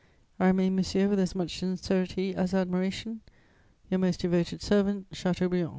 "I remain, monsieur, with as much sincerity as admiration, "Your most devoted servant, "CHATEAUBRIAND."